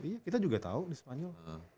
iya kita juga tahu di spanyol